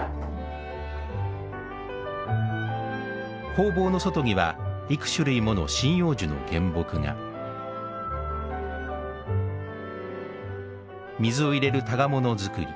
工房の外には幾種類もの針葉樹の原木が水を入れる箍物作り。